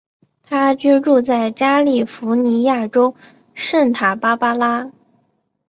他居住在加利福尼亚州圣塔芭芭拉。